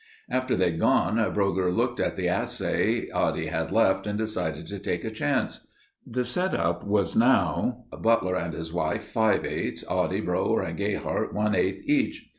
After they'd gone Brougher looked at the assay Oddie had left and decided to take a chance. The setup was now: Butler and his wife five eighths, Oddie, Brougher, and Gayhart, one eighth each.